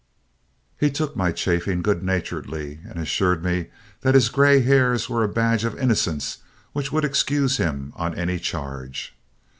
He took my chaffing good naturedly and assured me that his gray hairs were a badge of innocence which would excuse him on any charge.